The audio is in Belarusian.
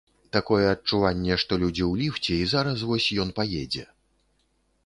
Такое адчуванне, што людзі ў ліфце і зараз вось ён паедзе.